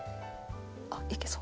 あっいけそう。